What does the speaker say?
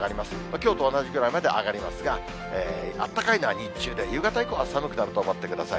きょうと同じぐらいまで上がりますが、あったかいのは日中で、夕方以降は寒くなると思ってください。